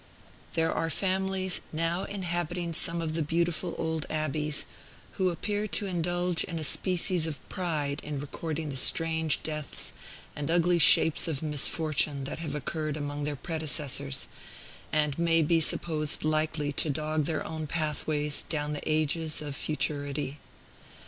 There are families, now inhabiting some of the beautiful old abbeys, who appear to indulge a species of pride in recording the strange deaths and ugly shapes of misfortune that have occurred among their predecessors, and may be supposed likely to dog their own pathway down the ages of futurity.